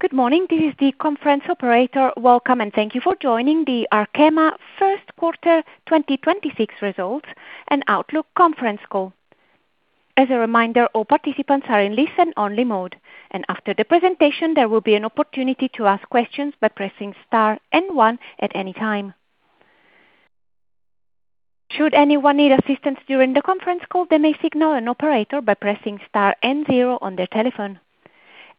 Good morning. This is the conference operator. Welcome, and thank you for joining the Arkema first quarter 2026 results and outlook conference call. As a reminder, all participants are in listen-only mode, and after the presentation, there will be an opportunity to ask questions by pressing star and one at any time. Should anyone need assistance during the conference call, they may signal an operator by pressing star and zero on their telephone.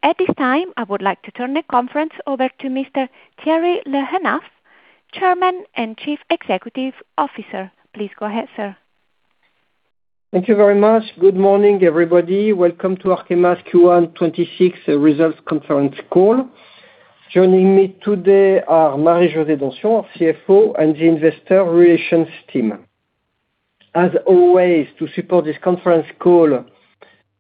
At this time, I would like to turn the conference over to Mr. Thierry Le Hénaff, Chairman and Chief Executive Officer. Please go ahead, sir. Thank you very much. Good morning, everybody. Welcome to Arkema's Q1 2026 results conference call. Joining me today are Marie-José Donsion, our CFO, and the investor relations team. As always, to support this conference call,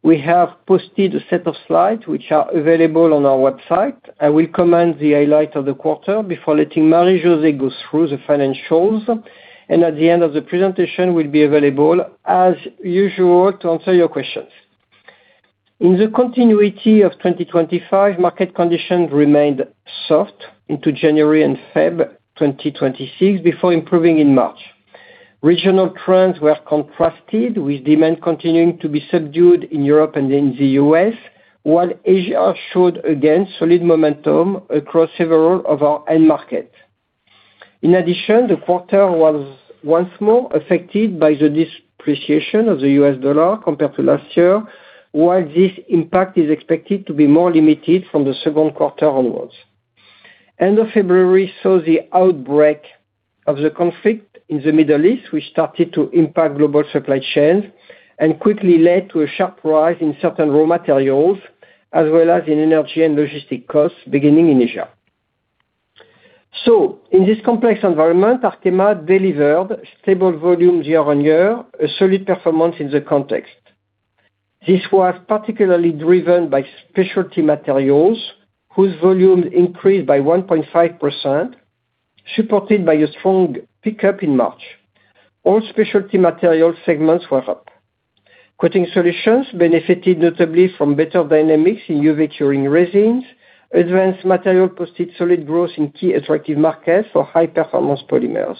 we have posted a set of slides which are available on our website. I will comment the highlight of the quarter before letting Marie-José go through the financials. At the end of the presentation, we'll be available as usual to answer your questions. In the continuity of 2025, market conditions remained soft into January and February 2026 before improving in March. Regional trends were contrasted with demand continuing to be subdued in Europe and in the U.S., while Asia showed again solid momentum across several of our end market. In addition, the quarter was once more affected by the depreciation of the US dollar compared to last year, while this impact is expected to be more limited from the second quarter onwards. End of February saw the outbreak of the conflict in the Middle East, which started to impact global supply chains and quickly led to a sharp rise in certain raw materials as well as in energy and logistic costs beginning in Asia. In this complex environment, Arkema delivered stable volumes year-on-year, a solid performance in the context. This was particularly driven by Specialty Materials whose volume increased by 1.5%, supported by a strong pickup in March. All Specialty Materials segments were up. Coating Solutions benefited notably from better dynamics in UV curing resins. Advanced Materials posted solid growth in key attractive markets for high-performance polymers.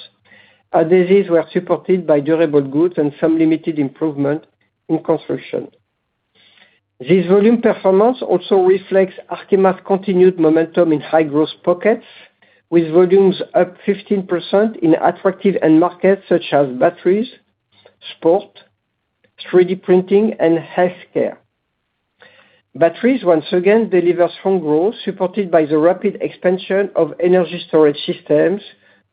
Adhesives were supported by durable goods and some limited improvement in construction. This volume performance also reflects Arkema's continued momentum in high-growth pockets, with volumes up 15% in attractive end markets such as batteries, sport, 3D printing, and healthcare. Batteries once again deliver strong growth supported by the rapid expansion of energy storage systems,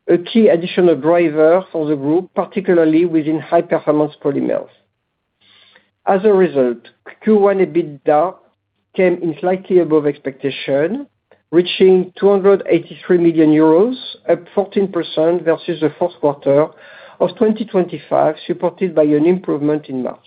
a key additional driver for the group, particularly within high-performance polymers. As a result, Q1 EBITDA came in slightly above expectation, reaching 283 million euros, up 14% versus the fourth quarter of 2025, supported by an improvement in March.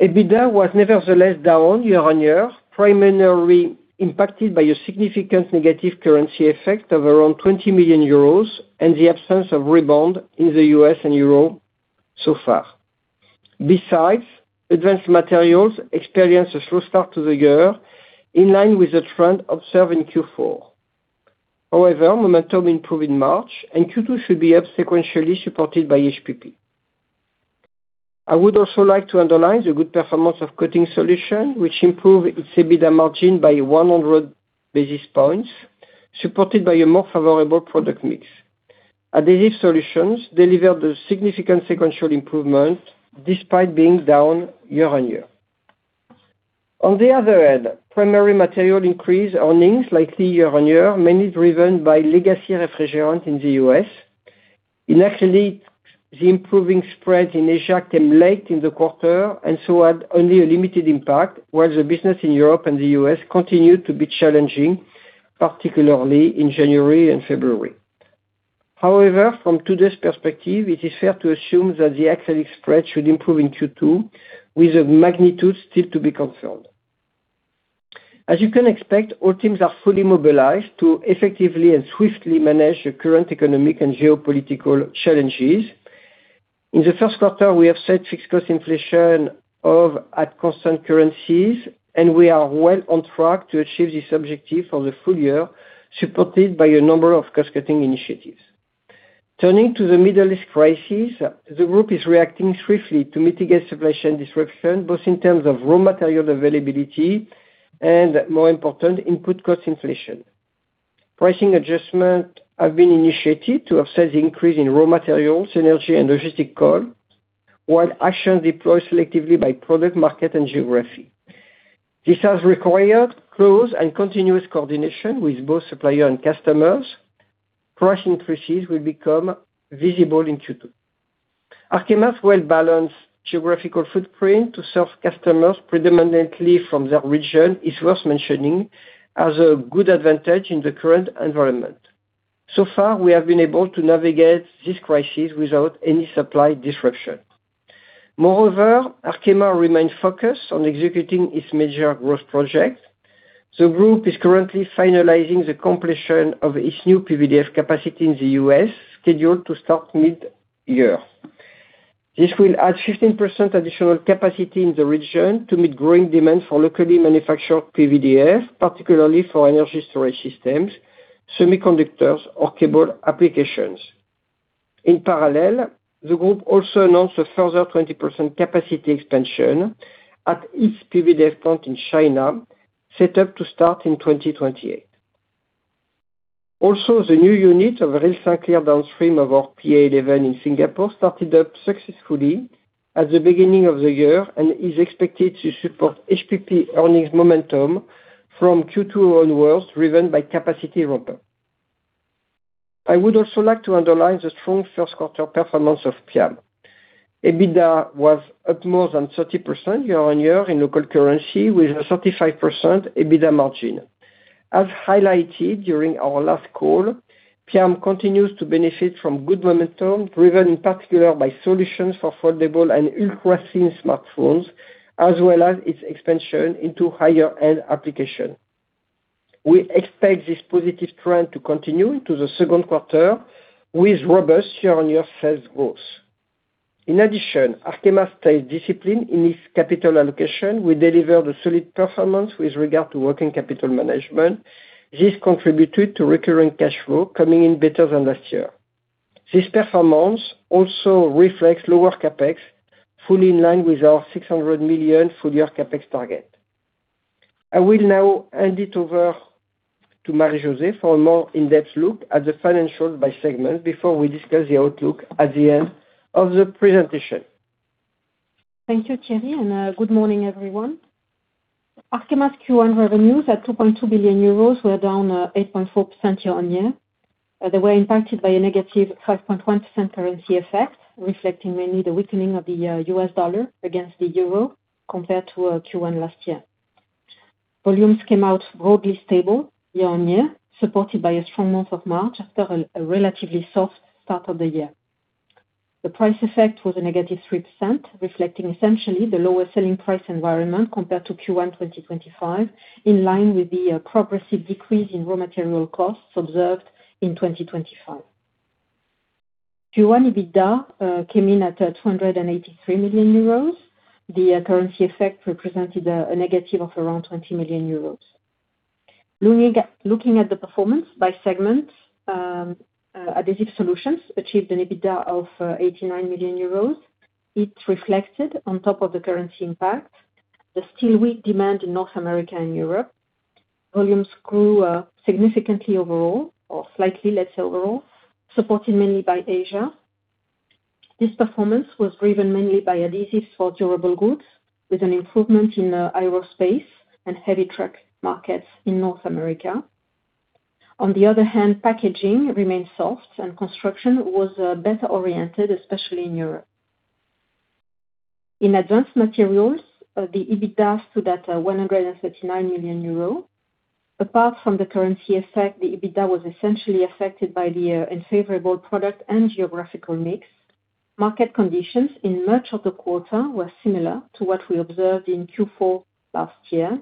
EBITDA was nevertheless down year-on-year, primarily impacted by a significant negative currency effect of around 20 million euros and the absence of rebound in the U.S. and Europe so far. Besides, Advanced Materials experienced a slow start to the year, in line with the trend observed in Q4. However, momentum improved in March, and Q2 should be up sequentially supported by HPP. I would also like to underline the good performance of Coating Solutions, which improved its EBITDA margin by 100 basis points, supported by a more favorable product mix. Adhesive Solutions delivered a significant sequential improvement despite being down year-on-year. On the other hand, Primary Materials increased earnings slightly year-on-year, mainly driven by legacy refrigerant in the U.S. In ethylene, the improving spread in Asia came late in the quarter and so had only a limited impact while the business in Europe and the U.S. continued to be challenging, particularly in January and February. However, from today's perspective, it is fair to assume that the ethylene spread should improve in Q2 with the magnitude still to be confirmed. As you can expect, all teams are fully mobilized to effectively and swiftly manage the current economic and geopolitical challenges. In the first quarter, we have set fixed cost inflation of at constant currencies, and we are well on track to achieve this objective for the full year, supported by a number of cost-cutting initiatives. Turning to the Middle East crisis, the group is reacting swiftly to mitigate supply chain disruption, both in terms of raw material availability and, more important, input cost inflation. Pricing adjustment have been initiated to offset the increase in raw materials, energy, and logistic cost, while action deployed selectively by product, market, and geography. This has required close and continuous coordination with both supplier and customers. Price increases will become visible in Q2. Arkema's well-balanced geographical footprint to serve customers predominantly from their region is worth mentioning as a good advantage in the current environment. So far, we have been able to navigate this crisis without any supply disruption. Moreover, Arkema remains focused on executing its major growth project. The group is currently finalizing the completion of its new PVDF capacity in the U.S., scheduled to start mid-year. This will add 15% additional capacity in the region to meet growing demand for locally manufactured PVDF, particularly for energy storage systems, semiconductors or cable applications. In parallel, the group also announced a further 20% capacity expansion at its PVDF plant in China, set up to start in 2028. The new unit of Rilsan Clear downstream of our PA 11 in Singapore started up successfully at the beginning of the year and is expected to support HPP earnings momentum from Q2 onwards, driven by capacity ramp up. I would also like to underline the strong first quarter performance of PIAM. EBITDA was up more than 30% year-on-year in local currency with a 35% EBITDA margin. As highlighted during our last call, PIAM continues to benefit from good momentum, driven in particular by solutions for foldable and ultra thin smartphones, as well as its expansion into higher-end application. We expect this positive trend to continue into the second quarter with robust year-on-year sales growth. In addition, Arkema stays disciplined in its capital allocation. We deliver the solid performance with regard to working capital management. This contributed to recurring cash flow coming in better than last year. This performance also reflects lower CapEx, fully in line with our 600 million full-year CapEx target. I will now hand it over to Marie-José for a more in-depth look at the financial by segment before we discuss the outlook at the end of the presentation. Thank you, Thierry, and good morning, everyone. Arkema's Q1 revenues at 2.2 billion euros were down 8.4% year-on-year. They were impacted by a negative 5.1% currency effect, reflecting mainly the weakening of the U.S. dollar against the euro compared to Q1 last year. Volumes came out broadly stable year-on-year, supported by a strong month of March after a relatively soft start of the year. The price effect was a negative 3%, reflecting essentially the lower selling price environment compared to Q1 2025, in line with the progressive decrease in raw material costs observed in 2025. Q1 EBITDA came in at 283 million euros. The currency effect represented a negative of around 20 million euros. Looking at the performance by segment, Adhesive Solutions achieved an EBITDA of 89 million euros. It reflected on top of the currency impact, the still weak demand in North America and Europe. Volumes grew significantly overall or slightly less overall, supported mainly by Asia. This performance was driven mainly by adhesives for durable goods, with an improvement in aerospace and heavy truck markets in North America. On the other hand, packaging remained soft and construction was better oriented, especially in Europe. In Advanced Materials, the EBITDA stood at 139 million euros. Apart from the currency effect, the EBITDA was essentially affected by the unfavorable product and geographical mix. Market conditions in much of the quarter were similar to what we observed in Q4 last year,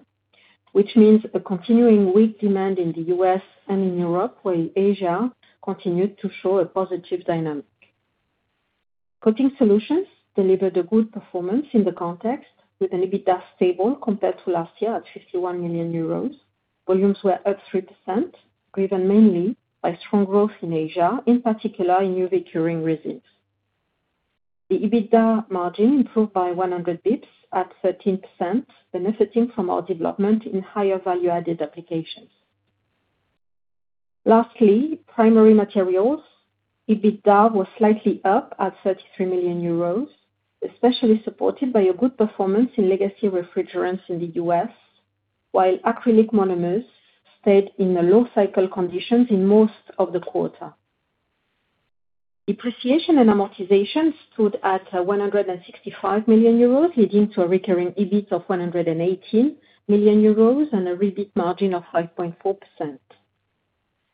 which means a continuing weak demand in the U.S. and in Europe, while Asia continued to show a positive dynamic. Coating Solutions delivered a good performance in the context with an EBITDA stable compared to last year at 51 million euros. Volumes were up 3%, driven mainly by strong growth in Asia, in particular in UV curing resins. The EBITDA margin improved by 100 basis points at 13%, benefiting from our development in higher value-added applications. Lastly, Primary Materials, EBITDA was slightly up at 33 million euros, especially supported by a good performance in legacy refrigerants in the U.S., while acrylic monomers stayed in a low cycle conditions in most of the quarter. Depreciation and amortization stood at 165 million euros, leading to a recurring EBIT of 118 million euros and a EBIT margin of 5.4%.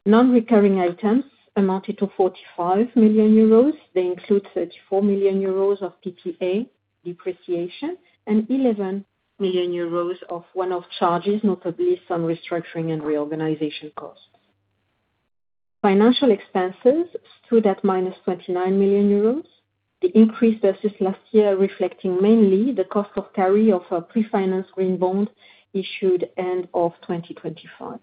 Non-recurring items amounted to 45 million euros. They include 34 million euros of PPA depreciation and 11 million euros of one-off charges, notably some restructuring and reorganization costs. Financial expenses stood at minus 29 million euros. The increase versus last year reflecting mainly the cost of carry of a pre-financed green bond issued end of 2025.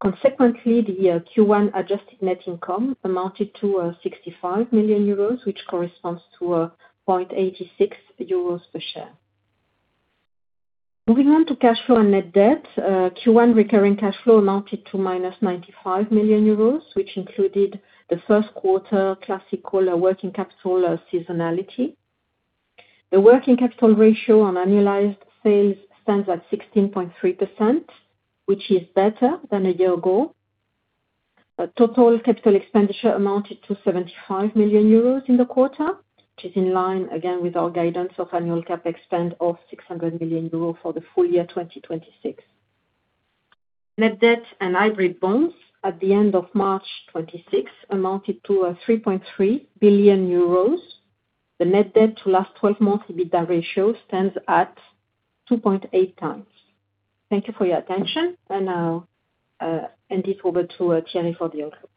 Consequently, the Q1 adjusted net income amounted to 65 million euros, which corresponds to 0.86 euros per share. Moving on to cash flow and net debt, Q1 recurring cash flow amounted to minus 95 million euros, which included the first quarter classical working capital seasonality. The working capital ratio on annualized sales stands at 16.3%, which is better than a year ago. Total capital expenditure amounted to 75 million euros in the quarter, which is in line again with our guidance of annual CapEx spend of 600 million euros for the full year 2026. Net debt and hybrid bonds at the end of March 2026 amounted to 3.3 billion euros. The net debt to last 12 months EBITDA ratio stands at 2.8x. Thank you for your attention. I'll hand it over to Thierry for the outlook.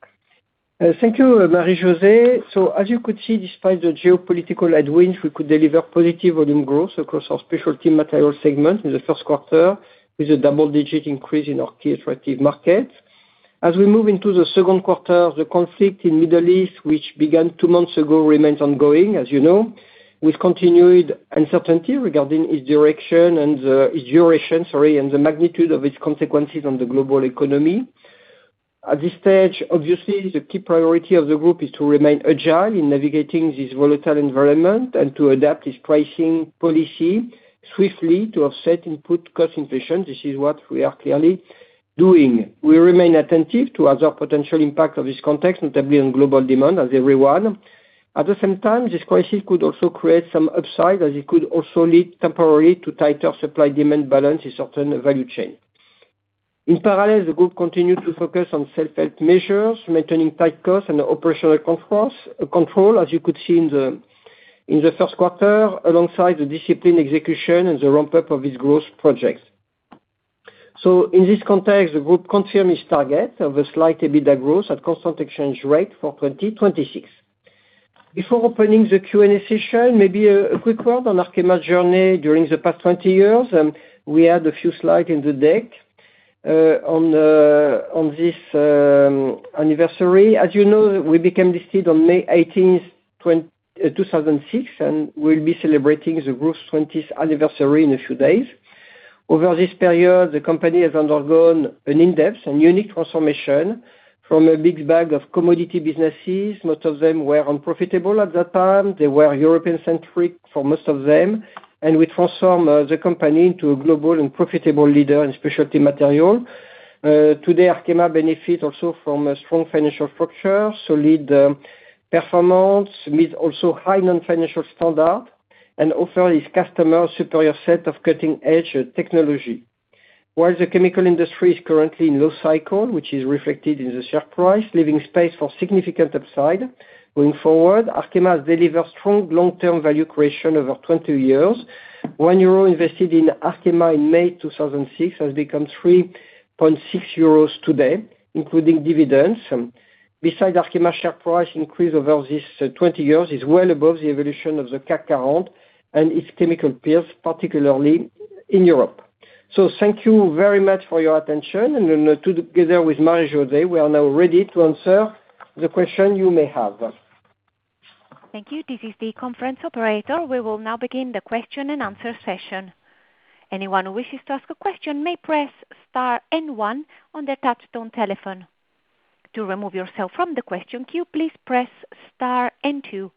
Thank you, Marie-José. As you could see, despite the geopolitical headwinds, we could deliver positive volume growth across our Specialty Materials segment in the first quarter, with a double-digit increase in our key attractive markets. As we move into the second quarter, the conflict in Middle East, which began two months ago, remains ongoing, as you know, with continued uncertainty regarding its direction and its duration, sorry, and the magnitude of its consequences on the global economy. At this stage, obviously, the key priority of the group is to remain agile in navigating this volatile environment and to adapt its pricing policy swiftly to offset input cost inflation. This is what we are clearly doing. We remain attentive to other potential impact of this context, notably on global demand as everyone. At the same time, this crisis could also create some upside, as it could also lead temporarily to tighter supply-demand balance in certain value chain. In parallel, the group continued to focus on self-help measures, maintaining tight cost and operational controls, as you could see in the first quarter, alongside the discipline execution and the ramp-up of its growth projects. In this context, the group confirm its target of a slight EBITDA growth at constant exchange rate for 2026. Before opening the Q&A session, maybe a quick word on Arkema's journey during the past 20 years, we add a few slide in the deck on this anniversary. As you know, we became listed on May 18th, 2006, and we'll be celebrating the group's 20th anniversary in a few days. Over this period, the company has undergone an in-depth and unique transformation from a big bag of commodity businesses. Most of them were unprofitable at that time. They were European-centric for most of them. We transform the company into a global and profitable leader in Specialty Materials. Today, Arkema benefit also from a strong financial structure, solid performance, meet also high non-financial standard and offer its customer superior set of cutting-edge technology. While the chemical industry is currently in low cycle, which is reflected in the share price, leaving space for significant upside. Going forward, Arkema has delivered strong long-term value creation over 20 years. 1 euro Invested in Arkema in May 2006 has become 3.6 euros today, including dividends. Beside Arkema share price increase over this, 20 years is well above the evolution of the CAC and its chemical peers, particularly in Europe. Thank you very much for your attention, and, together with Marie-José, we are now ready to answer the question you may have. Thank you. This is the conference operator. We will now begin the question-and-answer session. Anyone who wishes to ask a question may press star and one on their touchtone telephone. To remove yourself from the question queue, please press star and two.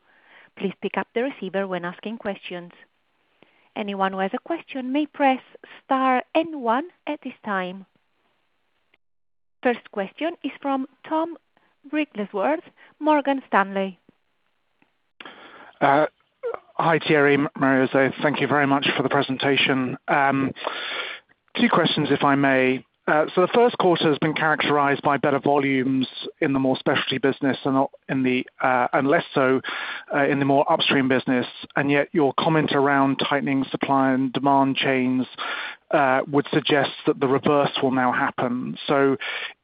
Please pick up the receiver when asking questions. Anyone who has a question may press star and one at this time. First question is from Tom Wrigglesworth, Morgan Stanley. Hi, Thierry, Marie-José. Thank you very much for the presentation. Two questions, if I may. The first quarter has been characterized by better volumes in the more specialty business and not in the, and less so, in the more upstream business. Yet your comment around tightening supply and demand chains would suggest that the reverse will now happen.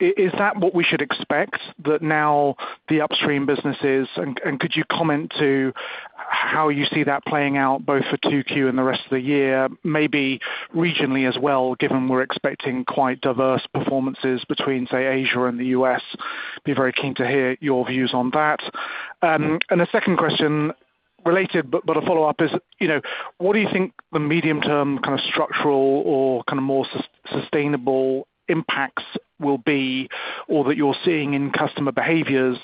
Is that what we should expect, that now the upstream businesses and could you comment to how you see that playing out both for Q2 and the rest of the year, maybe regionally as well, given we're expecting quite diverse performances between, say, Asia and the U.S.? Be very keen to hear your views on that. A second question, related but a follow-up is, you know, what do you think the medium-term kind of structural or kind of more sustainable impacts will be, or that you're seeing in customer behaviors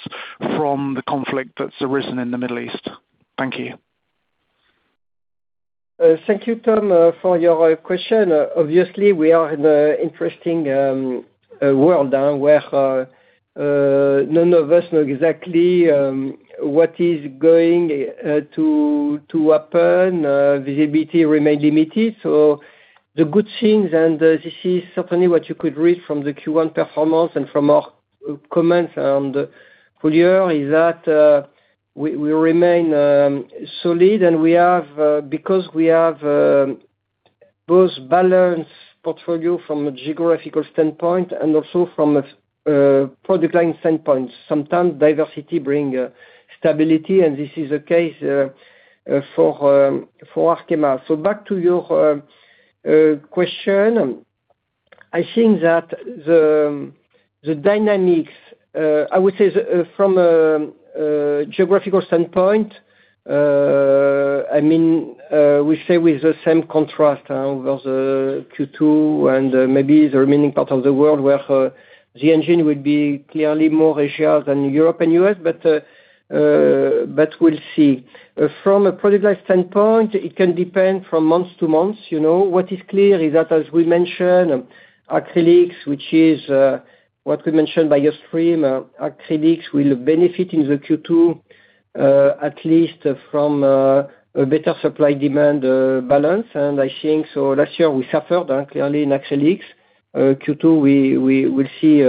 from the conflict that's arisen in the Middle East? Thank you. Thank you, Tom, for your question. Obviously, we are in a interesting world where none of us know exactly what is going to happen. Visibility remain limited. The good things, and this is certainly what you could read from the Q1 performance and from our comments on full year, is that we remain solid, and we have because we have both balanced portfolio from a geographical standpoint and also from a product line standpoint. Sometimes diversity bring stability, and this is the case for Arkema. Back to your question. I think that the dynamics, I would say from a geographical standpoint, I mean, we say with the same contrast over the Q2 and maybe the remaining part of the world where the engine would be clearly more Asia than Europe and U.S. We'll see. From a product line standpoint, it can depend from month to month, you know. What is clear is that, as we mentioned, acrylics, which is what we mentioned by upstream, acrylics will benefit in the Q2, at least from a better supply-demand balance. Last year we suffered clearly in acrylics. Q2, we will see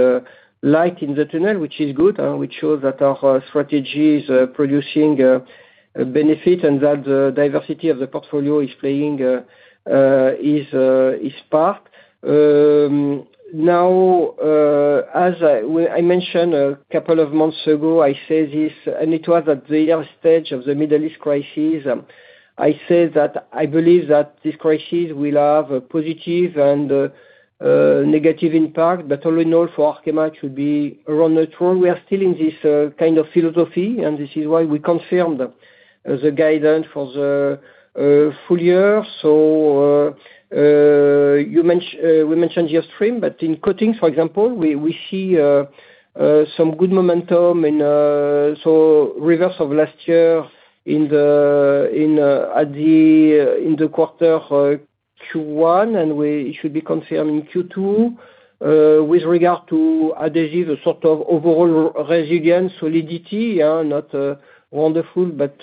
light in the tunnel, which is good, which shows that our strategy is producing benefit and that the diversity of the portfolio is playing its part. As I mentioned a couple of months ago, I said this, and it was at the early stage of the Middle East crisis. I said that I believe that this crisis will have a positive and negative impact, but all in all for Arkema, it should be around the turn. We are still in this kind of philosophy, and this is why we confirmed the guidance for the full year. We mentioned Geostream, but in Coatings, for example, we see some good momentum and so reverse of last year in the Q1, and we should be confirming Q2. With regard to Adhesive, a sort of overall resilience, solidity are not wonderful, but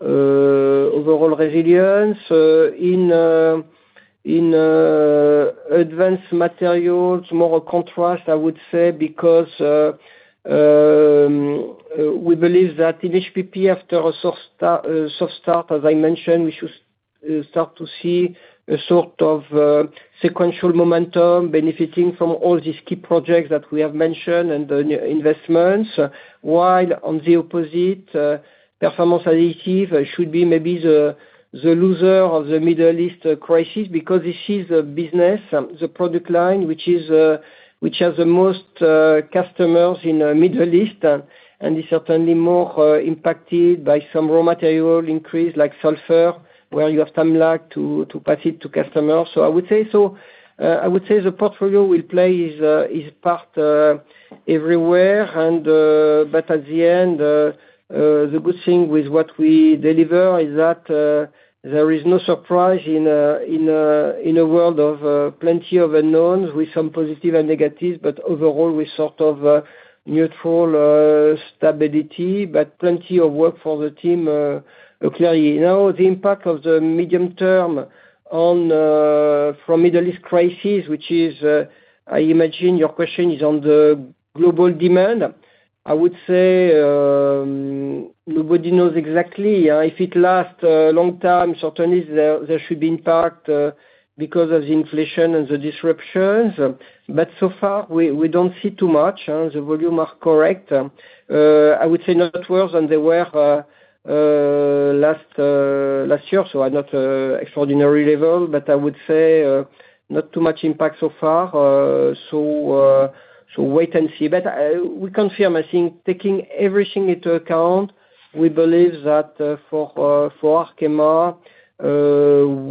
overall resilience. In Advanced Materials, more contrast I would say because, we believe that in HPP after a soft start, as I mentioned, we should start to see a sort of sequential momentum benefiting from all these key projects that we have mentioned and the investments. While on the opposite, performance adhesive should be maybe the loser of the Middle East crisis because this is a business, the product line, which is, which has the most customers in Middle East and is certainly more impacted by some raw material increase like sulfur, where you have some lag to pass it to customers. I would say so. I would say the portfolio will play its part everywhere and, but at the end, the good thing with what we deliver is that there is no surprise in a world of plenty of unknowns with some positive and negatives, but overall we sort of neutral stability, but plenty of work for the team clearly. The impact of the medium term on from Middle East crisis, which is I imagine your question is on the global demand. I would say nobody knows exactly. If it lasts a long time, certainly there should be impact because of the inflation and the disruptions. So far, we don't see too much. The volume are correct. I would say not worse than they were last year, so not extraordinary level. I would say not too much impact so far. Wait and see. We confirm, I think taking everything into account, we believe that for Arkema,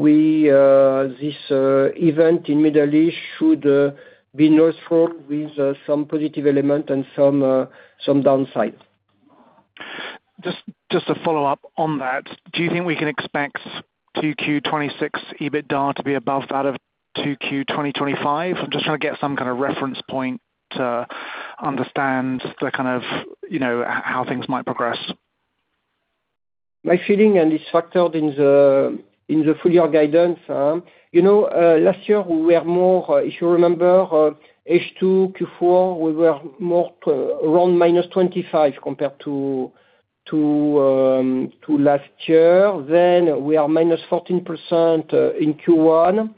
we this event in Middle East should be neutral with some positive element and some downside. Just to follow up on that, do you think we can expect Q2 2026 EBITDA to be above that of Q2 2025? I'm just trying to get some kind of reference point to understand the kind of, you know, how things might progress. My feeling, and it's factored in the full year guidance, last year we were more, if you remember, H2, Q4, we were more around minus 25% compared to last year. We are minus 14% in Q1.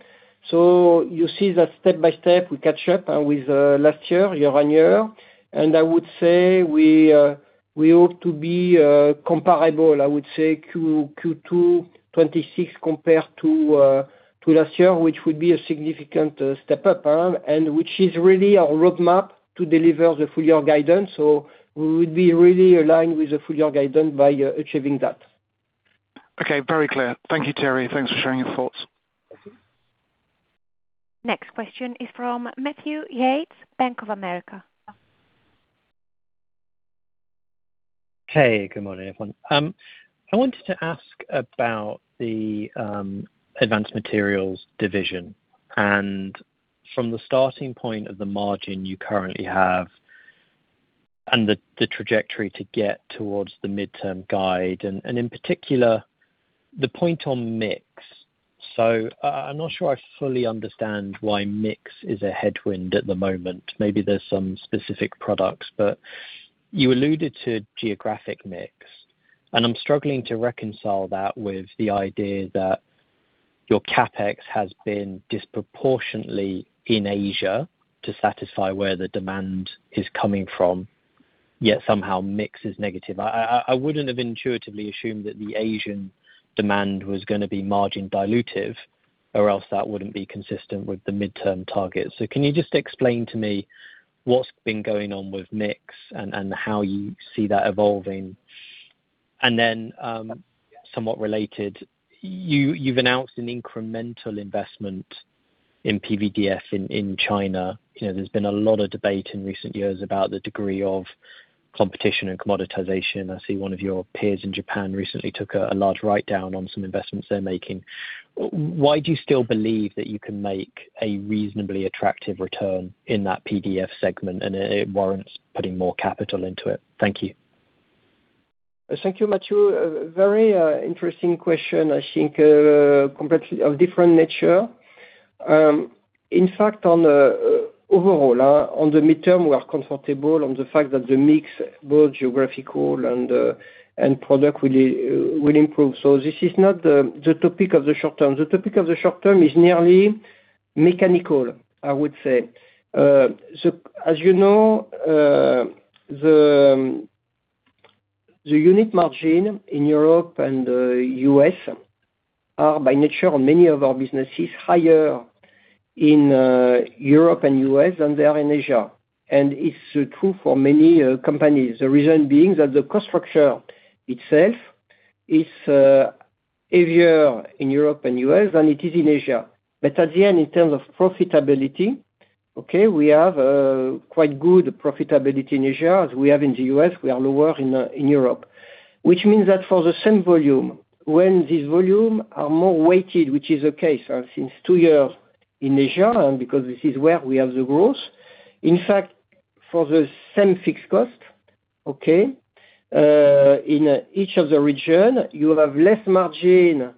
You see that step by step we catch up with last year-on-year. I would say we ought to be comparable, I would say Q2 2026 compared to last year, which would be a significant step up, and which is really our roadmap to deliver the full year guidance. We would be really aligned with the full year guidance by achieving that. Okay. Very clear. Thank you, Thierry. Thanks for sharing your thoughts. Next question is from Matthew Yates, Bank of America. Hey, good morning, everyone. I wanted to ask about the Advanced Materials division and from the starting point of the margin you currently have and the trajectory to get towards the midterm guide and in particular, the point on mix. I'm not sure I fully understand why mix is a headwind at the moment. Maybe there's some specific products. You alluded to geographic mix, and I'm struggling to reconcile that with the idea that your CapEx has been disproportionately in Asia to satisfy where the demand is coming from, yet somehow mix is negative. I wouldn't have intuitively assumed that the Asian demand was gonna be margin dilutive or else that wouldn't be consistent with the midterm target. Can you just explain to me what's been going on with mix and how you see that evolving? Then, somewhat related, you've announced an incremental investment in PVDF in China. You know, there's been a lot of debate in recent years about the degree of competition and commoditization. I see one of your peers in Japan recently took a large write-down on some investments they're making. Why do you still believe that you can make a reasonably attractive return in that PVDF segment and it warrants putting more capital into it? Thank you. Thank you, Matthew. Very interesting question. I think complexity of different nature. In fact, on the overall, on the midterm, we are comfortable on the fact that the mix, both geographical and product will improve. This is not the topic of the short term. The topic of the short term is nearly mechanical, I would say. As you know, the unit margin in Europe and the U.S. are by nature on many of our businesses higher in Europe and the U.S. than they are in Asia. It is true for many companies. The reason being that the cost structure itself is heavier in Europe and the U.S. than it is in Asia. At the end, in terms of profitability, okay, we have quite good profitability in Asia as we have in the U.S. We are lower in Europe. Which means that for the same volume, when these volume are more weighted, which is the case, since two years in Asia, because this is where we have the growth, in fact, for the same fixed cost, okay, in each of the region, you have less margin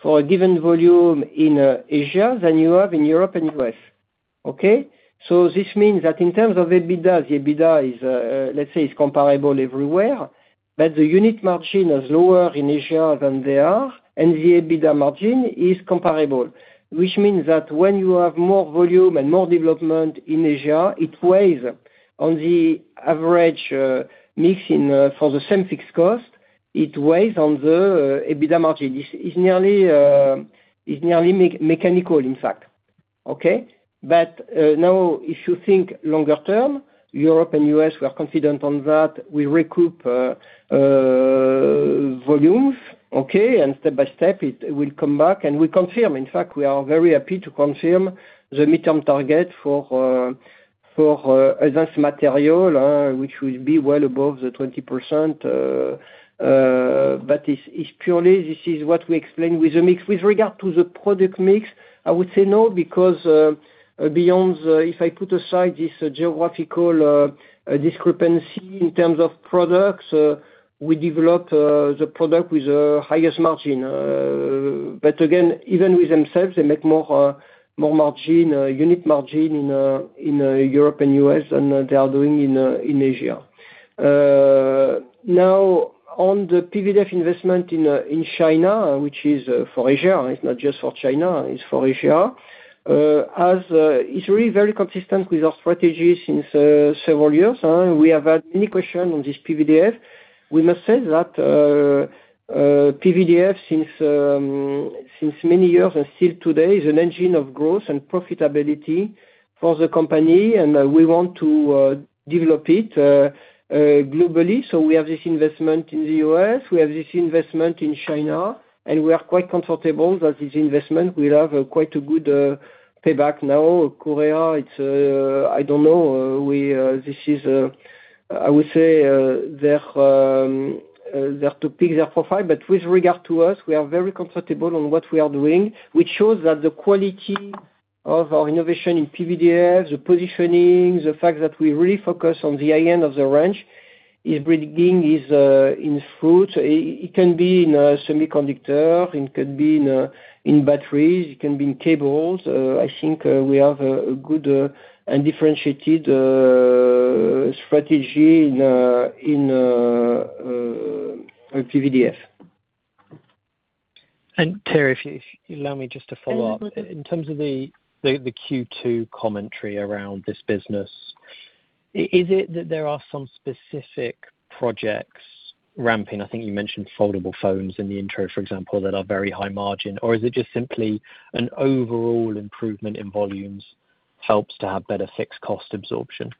for a given volume in Asia than you have in Europe and U.S. Okay. This means that in terms of EBITDA, the EBITDA is, let's say is comparable everywhere, but the unit margin is lower in Asia than they are, and the EBITDA margin is comparable. Which means that when you have more volume and more development in Asia, it weighs on the average mix in, for the same fixed cost, it weighs on the EBITDA margin. This is nearly mechanical, in fact. Okay? Now, if you think longer term, Europe and U.S., we are confident on that. We recoup volumes, okay? Step by step it will come back, and we confirm, in fact, we are very happy to confirm the midterm target for Advanced Materials, which will be well above the 20%. It's purely this is what we explain with the mix. With regard to the product mix, I would say no, because, beyond if I put aside this geographical discrepancy in terms of products, we developed the product with the highest margin. Again, even with themselves, they make more, more margin, unit margin in Europe and U.S. than they are doing in Asia. Now on the PVDF investment in China, which is for Asia, it's not just for China, it's for Asia. As it's really very consistent with our strategy since several years. We have had many question on this PVDF. We must say that PVDF since many years and still today is an engine of growth and profitability for the company, and we want to develop it globally. We have this investment in the U.S., we have this investment in China, and we are quite comfortable that this investment will have quite a good payback. Now, Korea, it's I don't know. This is, I would say, their topic, their profile. With regard to us, we are very comfortable on what we are doing, which shows that the quality of our innovation in PVDF, the positioning, the fact that we really focus on the high end of the range is bearing fruit. It can be in semiconductors, it could be in batteries, it can be in cables. I think we have a good and differentiated strategy in PVDF. Thierry, if you allow me just to follow up. In terms of the Q2 commentary around this business, is it that there are some specific projects ramping, I think you mentioned foldable phones in the intro, for example, that are very high margin, or is it just simply an overall improvement in volumes helps to have better fixed cost absorption?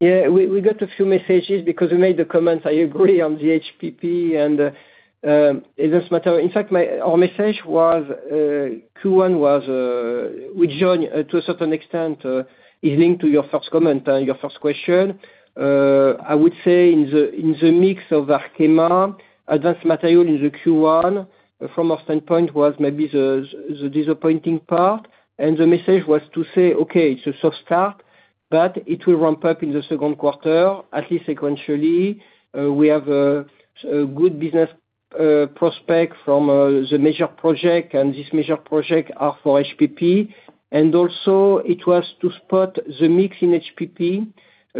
Yeah. We got a few messages because we made the comments, I agree on the HPP and it doesn't matter. In fact, our message was Q1 was, we join to a certain extent, is linked to your first comment, your first question. I would say in the mix of Arkema, Advanced Materials in the Q1 from our standpoint was maybe the disappointing part. The message was to say, "Okay, it's a soft start, but it will ramp up in the second quarter, at least sequentially." We have a good business prospect from the major project, and this major project are for HPP. Also it was to spot the mix in HPP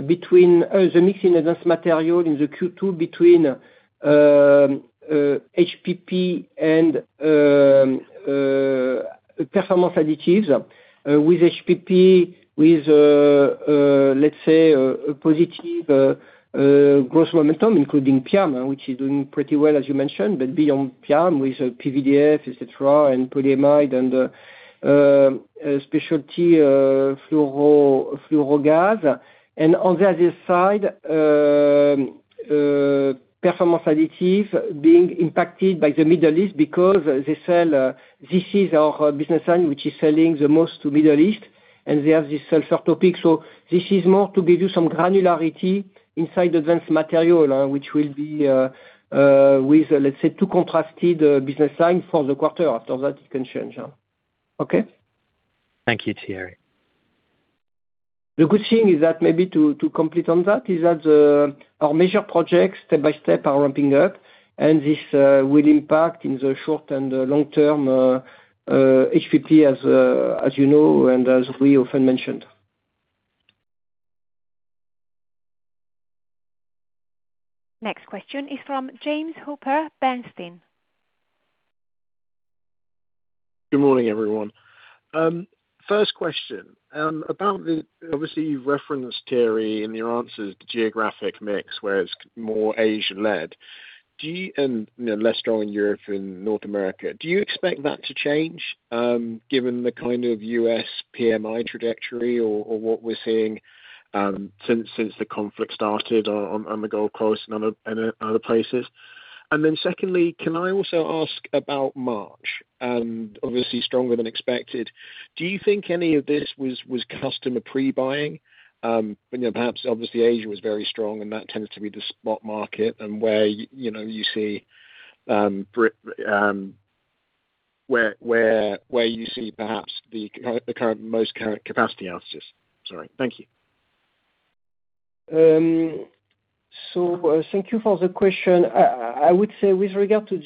between the mix in Advanced Materials in the Q2 between HPP and Performance Additives. With HPP, with, let's say a positive growth momentum, including PIAM, which is doing pretty well as you mentioned. Beyond PIAM, with PVDF, et cetera, and polyimide and specialty fluorogases. On the other side, performance additives being impacted by the Middle East because they sell, this is our business line which is selling the most to Middle East, and they have this sulfur topic. This is more to give you some granularity inside Advanced Materials, which will be with, let's say two contrasted business line for the quarter. After that it can change, okay? Thank you, Thierry. The good thing is that maybe to complete on that, our major projects step by step are ramping up, and this will impact in the short and the long term HPP as you know and as we often mentioned. Next question is from James Hooper, Bernstein. Good morning, everyone. First question, obviously, you've referenced Thierry in your answers to geographic mix, where it's more Asian-led, you know, less strong in Europe and North America. Do you expect that to change, given the kind of U.S. PMI trajectory or what we're seeing since the conflict started on the Gulf Coast and other places? Secondly, can I also ask about March? Obviously stronger than expected. Do you think any of this was customer pre-buying? You know, perhaps obviously Asia was very strong, that tends to be the spot market and where you know, you see perhaps the most current capacity outages. Sorry. Thank you. Thank you for the question. I would say with regard to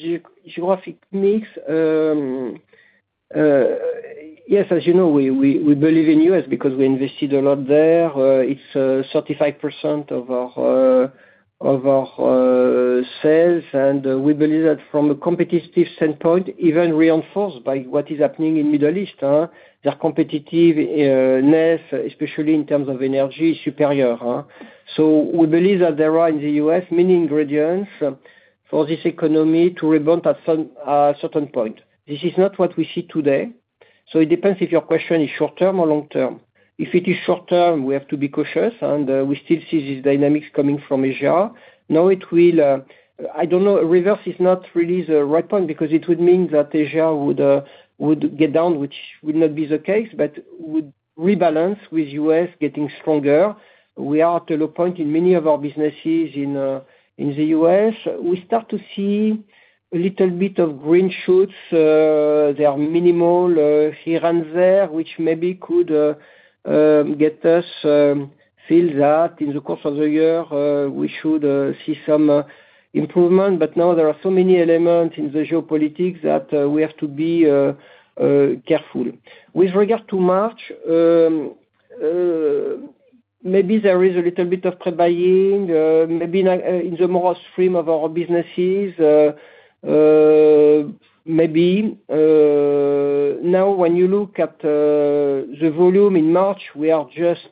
geographic mix, yes, as you know, we believe in U.S. because we invested a lot there. It's 35% of our sales, and we believe that from a competitive standpoint, even reinforced by what is happening in Middle East, their competitiveness, especially in terms of energy, is superior. We believe that there are, in the U.S., many ingredients for this economy to rebound at some certain point. This is not what we see today. It depends if your question is short term or long term. If it is short term, we have to be cautious, and we still see these dynamics coming from Asia. It will, I don't know, reverse is not really the right point because it would mean that Asia would get down, which would not be the case. Would rebalance with U.S. getting stronger. We are at a low point in many of our businesses in the U.S.. We start to see a little bit of green shoots. They are minimal here and there, which maybe could get us feel that in the course of the year, we should see some improvement. There are so many elements in the geopolitics that we have to be careful. With regard to March, maybe there is a little bit of pre-buying, maybe not in the more stream of our businesses. Maybe. Now when you look at the volume in March, we are just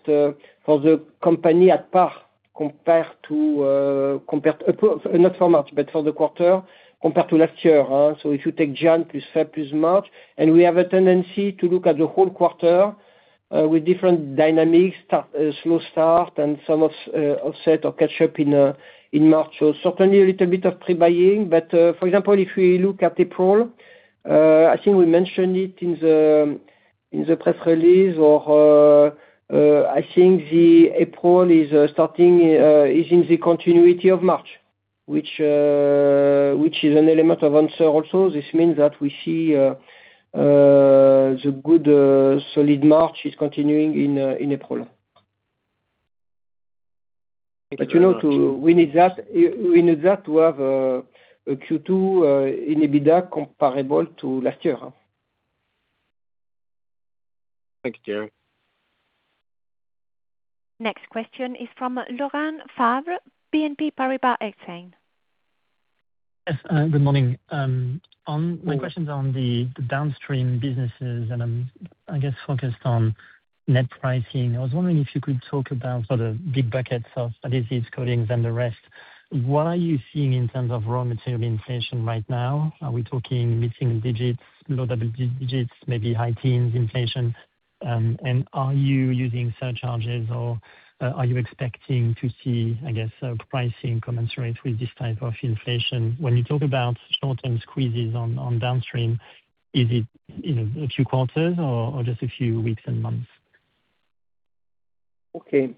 for the company at par compared to, compared not for March, but for the quarter compared to last year. If you take January plus February plus March, and we have a tendency to look at the whole quarter with different dynamics. Slow start and some of offset or catch up in March. Certainly a little bit of pre-buying. For example, if we look at April, I think we mentioned it in the press release or, I think the April is starting, is in the continuity of March, which is an element of answer also. This means that we see the good solid March is continuing in April. Thank you very much. You know, we need that to have a Q2 in EBITDA comparable to last year. Thank you, Thierry. Next question is from Laurent Favre, BNP Paribas Exane. Yes, good morning. My question's on the downstream businesses, and I'm, I guess, focused on net pricing. I was wondering if you could talk about sort of big buckets of adhesives, coatings and the rest. What are you seeing in terms of raw material inflation right now? Are we talking mid-single digits, low double digits, maybe high teens inflation? Are you using surcharges or are you expecting to see, I guess, pricing commensurate with this type of inflation? When you talk about short-term squeezes on downstream, is it, you know, a few quarters or just a few weeks and months? Okay.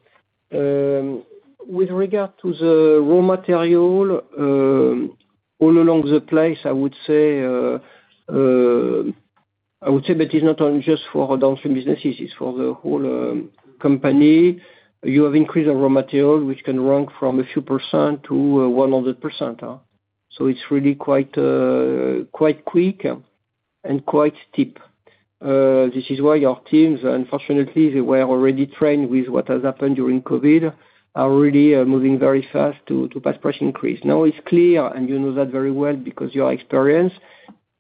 With regard to the raw material, all along the place, I would say that is not only just for our downstream businesses, it's for the whole company. You have increase of raw material, which can rank from a few percent to 100%. It's really quite quick and quite steep. This is why our teams, unfortunately, they were already trained with what has happened during COVID, are really moving very fast to pass price increase. Now it's clear, and you know that very well because your experience,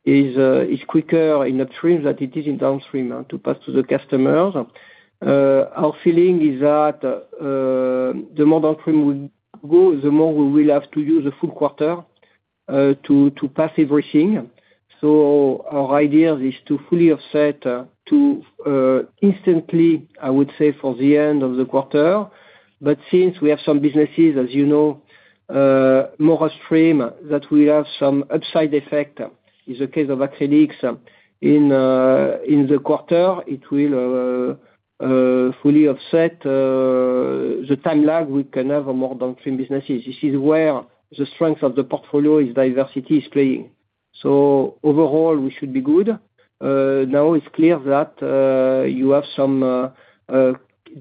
is quicker in upstream than it is in downstream, to pass to the customers. Our feeling is that the more downstream we go, the more we will have to use the full quarter to pass everything. Our idea is to fully offset, instantly, I would say, for the end of the quarter. Since we have some businesses, as you know, more upstream, that will have some upside effect. It's the case of acrylics. In the quarter, it will fully offset the time lag we can have on more downstream businesses. This is where the strength of the portfolio is diversity is playing. Overall, we should be good. Now it's clear that you have some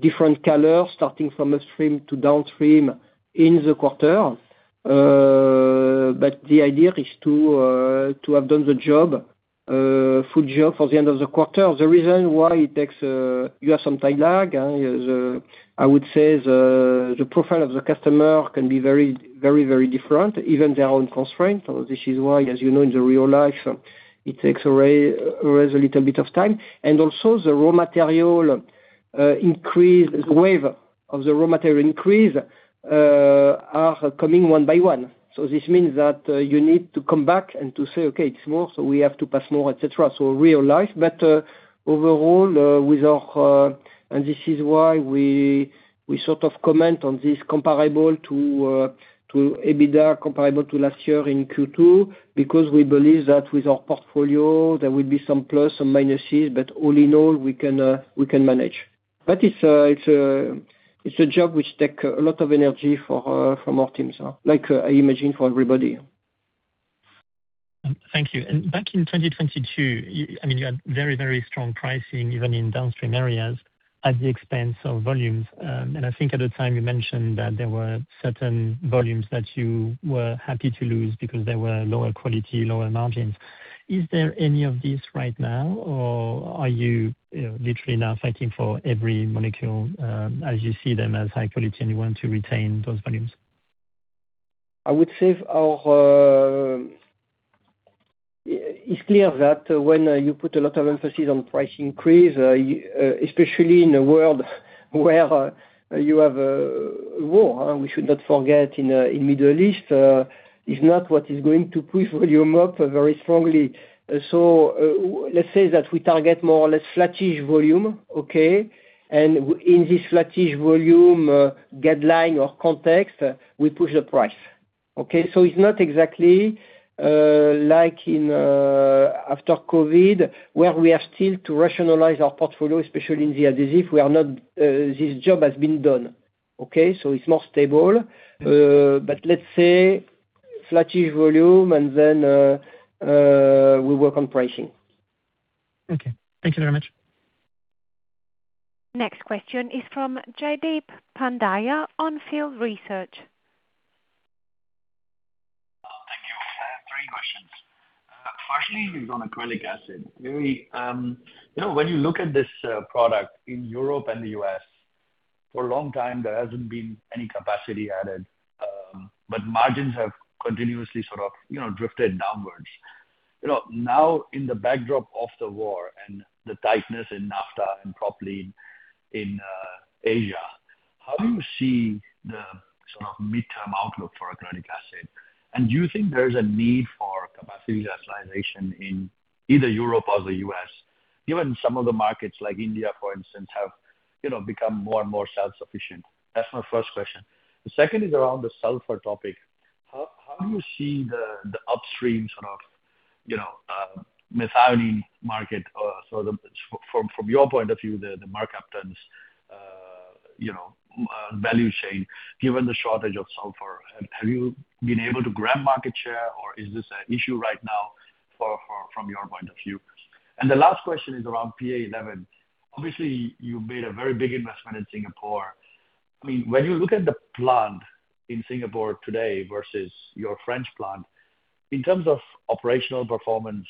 different color starting from upstream to downstream in the quarter. The idea is to have done the job, full job for the end of the quarter. The reason why it takes you have some time lag, I would say the profile of the customer can be very, very, very different, even their own constraint. This is why, as you know, in the real life, it takes a raise a little bit of time. Also the raw material, the wave of the raw material increase are coming one by one. This means that you need to come back and to say, "Okay, it's more, so we have to pass more," et cetera. Real life. Overall, this is why we sort of comment on this comparable to EBITDA comparable to last year in Q2, because we believe that with our portfolio, there will be some plus, some minuses, but all in all, we can manage. It's a job which take a lot of energy for from our teams, like I imagine for everybody. Thank you. Back in 2022, I mean, you had very, very strong pricing, even in downstream areas, at the expense of volumes. I think at the time you mentioned that there were certain volumes that you were happy to lose because they were lower quality, lower margins. Is there any of this right now, or are you know, literally now fighting for every molecule, as you see them as high quality and you want to retain those volumes? I would say our, It's clear that when you put a lot of emphasis on price increase, especially in a world where you have a war, we should not forget in Middle East, is not what is going to push volume up very strongly. Let's say that we target more or less flattish volume, okay? In this flattish volume guideline or context, we push the price. Okay? It's not exactly, like in after COVID, where we have still to rationalize our portfolio, especially in the adhesive. This job has been done. Okay? It's more stable. Let's say flattish volume, and then, we work on pricing. Okay. Thank you very much. Next question is from Jaideep Pandya On Field Research. Thank you. Three questions. Firstly is on acrylic acid. Very, you know, when you look at this product in Europe and the U.S., for a long time, there hasn't been any capacity added, but margins have continuously sort of, you know, drifted downwards. You know, now in the backdrop of the war and the tightness in NAFTA and probably in Asia, how do you see the sort of midterm outlook for acrylic acid? Do you think there is a need for capacity rationalization in either Europe or the U.S., given some of the markets, like India, for instance, have, you know, become more and more self-sufficient? That's my first question. The second is around the sulfur topic. How do you see the upstream, you know, methionine market, from your point of view, the mercaptans, you know, value chain, given the shortage of sulfur? Have you been able to grab market share, or is this an issue right now from your point of view? The last question is around PA 11. Obviously, you made a very big investment in Singapore. I mean, when you look at the plant in Singapore today versus your French plant, in terms of operational performance,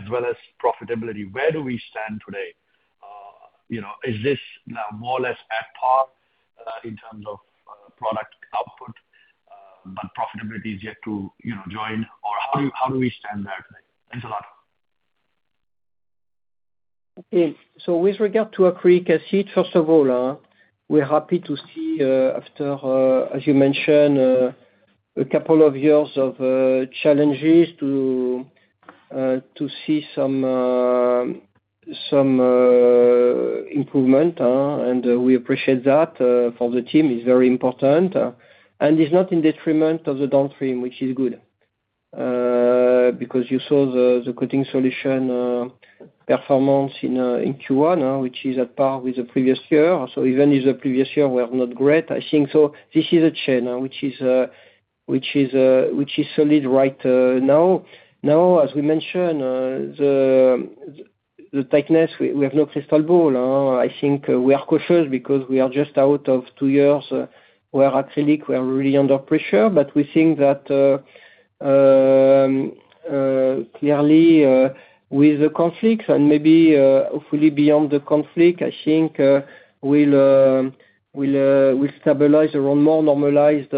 as well as profitability, where do we stand today? You know, is this now more or less at par, in terms of product output, but profitability is yet to, you know, join? How do we stand there today? Thanks a lot. With regard to acrylic acid, first of all, we're happy to see, after, as you mentioned, a couple of years of challenges, to see some improvement, and we appreciate that. For the team, it's very important. And it's not in detriment of the downstream, which is good. Because you saw the Coating Solutions performance in Q1, which is at par with the previous year. Even if the previous year were not great, I think this is a chain which is solid right now. Now, as we mentioned, the tightness, we have no crystal ball. I think we are cautious because we are just out of two years where acrylics were really under pressure. We think that clearly, with the conflicts and maybe hopefully beyond the conflict, I think we'll stabilize around more normalized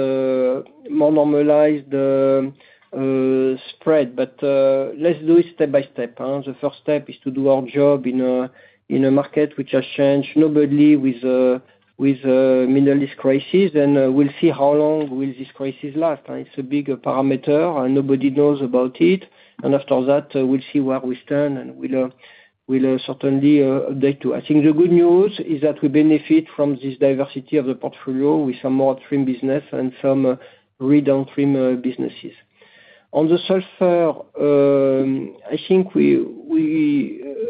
spread. Let's do it step by step. The first step is to do our job in a market which has changed notably with Middle East crisis. We'll see how long will this crisis last. It's a big parameter, and nobody knows about it. After that, we'll see where we stand, and we'll certainly update you. I think the good news is that we benefit from this diversity of the portfolio with some more upstream business and some re-downstream businesses. On the sulfur, I think we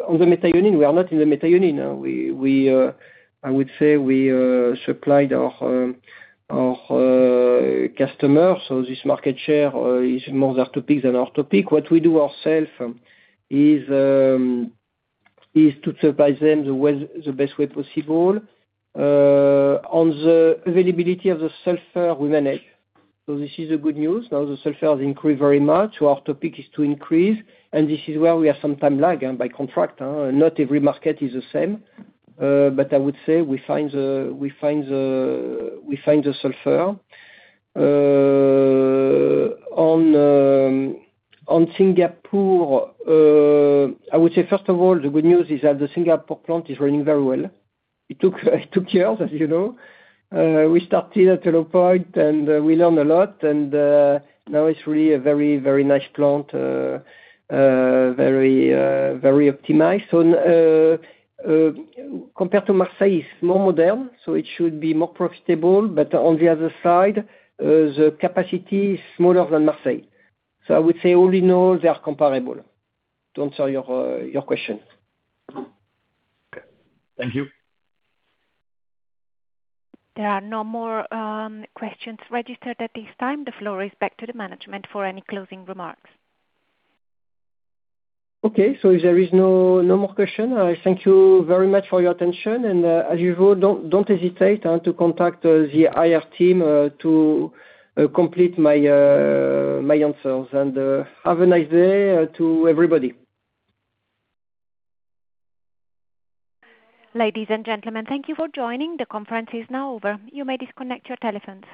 on the methionine, we are not in the methionine. We, I would say, supplied our customers. This market share is more their topic than our topic. What we do ourselves is to serve them the best way possible. On the availability of the sulfur, we manage. This is a good news. Now the sulfur has increased very much. Our topic is to increase, and this is where we have some time lag, and by contract, not every market is the same. I would say we find the sulfur. On Singapore, I would say, first of all, the good news is that the Singapore plant is running very well. It took years, as you know. We started at low point and we learned a lot and now it's really a very, very nice plant, very optimized. Compared to Marseille, it's more modern, so it should be more profitable. On the other side, the capacity is smaller than Marseille. I would say all we know, they are comparable, to answer your question. Okay. Thank you. There are no more questions registered at this time. The floor is back to the management for any closing remarks. Okay. If there is no more question, I thank you very much for your attention. As usual, don't hesitate to contact the IR team to complete my answers. Have a nice day to everybody. Ladies and gentlemen, thank you for joining. The conference is now over. You may disconnect your telephones.